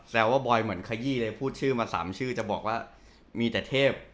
ว่าบอยเหมือนขยี้เลยพูดชื่อมา๓ชื่อจะบอกว่ามีแต่เทพ